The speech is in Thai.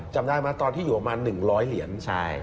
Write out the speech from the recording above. จำได้ไหมตอนที่อยู่ประมาณ๑๐๐เหรียญ